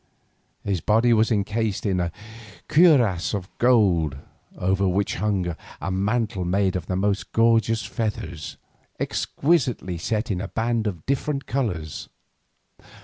His body was encased in a cuirass of gold, over which hung a mantle made of the most gorgeous feathers, exquisitely set in bands of different colours.